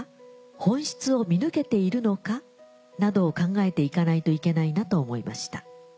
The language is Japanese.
本質を見抜けているのか？などを考えていかないといけないなと思いました。